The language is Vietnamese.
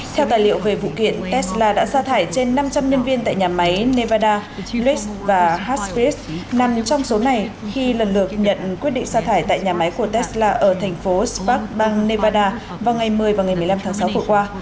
theo tài liệu về vụ kiện tesla đã xa thải trên năm trăm linh nhân viên tại nhà máy nevada chilues và haspirs nằm trong số này khi lần lượt nhận quyết định xa thải tại nhà máy của tesla ở thành phố spac bang nevada vào ngày một mươi và ngày một mươi năm tháng sáu vừa qua